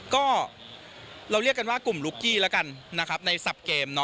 ก็เราเรียกกันว่ากลุ่มลุกกี้แล้วกันนะครับในสับเกม